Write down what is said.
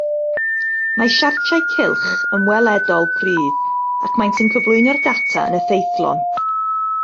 Mae siartiau cylch yn weledol gryf ac maent yn cyflwyno'r data yn effeithlon